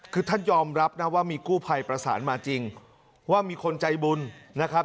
คือท่านยอมรับนะว่ามีกู้ภัยประสานมาจริงว่ามีคนใจบุญนะครับ